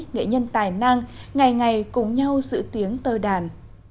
nghệ nhân tài năng ngày ngày cùng nhau giữ tiếng tơ đàn